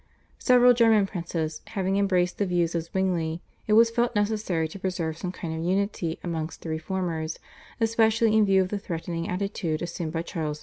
Several German princes having embraced the views of Zwingli, it was felt necessary to preserve some kind of unity amongst the Reformers, especially in view of the threatening attitude assumed by Charles V.